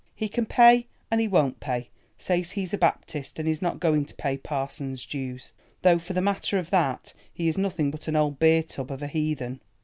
He can pay and he won't pay—says he's a Baptist and is not going to pay parson's dues—though for the matter of that he is nothing but an old beer tub of a heathen."